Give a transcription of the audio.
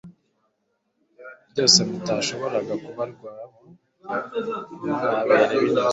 byose mutashoboraga kubarwaho ko muri abere binyuze